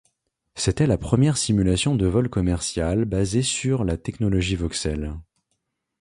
C'était la première simulation de vol commerciale basée sur la technologie voxel.